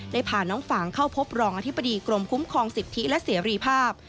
พาน้องฝางเข้าพบรองอธิบดีกรมคุ้มครองสิทธิและเสรีภาพ